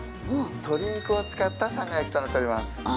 鶏肉を使ったさんが焼きとなっております。